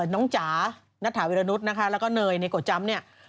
จ๋านัทถาวิรนุษย์นะคะแล้วก็เนยในโกจำเนี่ย